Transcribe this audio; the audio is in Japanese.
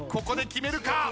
ここで決めるか？